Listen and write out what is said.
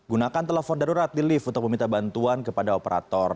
gunakan telepon darurat di lift untuk meminta bantuan kepada operator